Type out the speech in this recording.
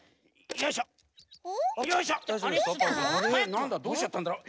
なんだどうしちゃったんだろう？